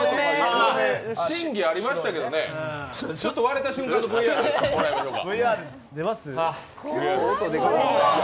審議ありましたけどね、ちょっと割れた瞬間のＶＡＲもらいましょうか。